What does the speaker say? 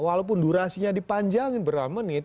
walaupun durasinya dipanjangin berapa menit